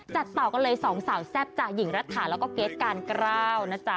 จัดต่อกันเลยสองสาวแซบจ่ายหญิงรัฐหาแล้วก็เกรทกาญคราว